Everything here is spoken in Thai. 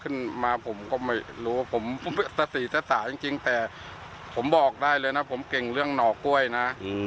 ขึ้นมาผมก็ไม่รู้ว่าผมสติตะสาจริงแต่ผมบอกได้เลยนะผมเก่งเรื่องหน่อกล้วยนะ